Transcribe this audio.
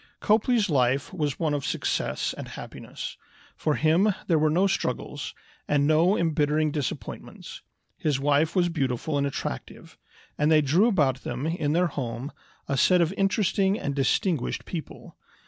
Copley's life was one of success and happiness. For him there were no struggles, and no embittering disappointments. His wife was beautiful and attractive, and they drew about them, in their home, a set of interesting and distinguished people.